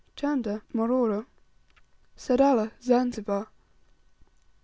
Chanda, Maroro. 21. Sadala, Zanzibar.